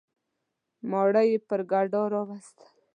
ماره یي پر ګډا راوستل.